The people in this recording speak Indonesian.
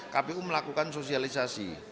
kpu melakukan sosialisasi